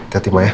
iya tetip pak ya